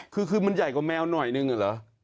คือมันใหญ่กว่าแมวหน่อยนึงอะเหรอ